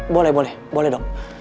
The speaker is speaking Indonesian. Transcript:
boleh boleh boleh dok